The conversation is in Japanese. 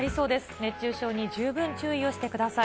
熱中症に十分注意をしてください。